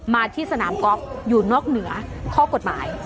มาที่สนามกอล์ฟอยู่นอกเหนือข้อกฎหมาย